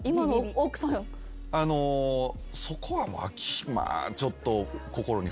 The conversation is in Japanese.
あのそこはまあちょっと。